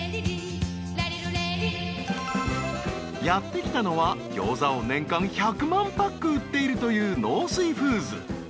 ［やって来たのはギョーザを年間１００万パック売っているという］